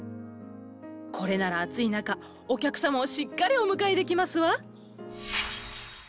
これなら暑い中お客様をしっかりお迎えできますわ。